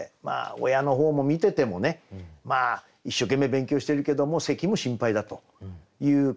親の方も見ててもね一生懸命勉強してるけども咳も心配だという感じでしょうね。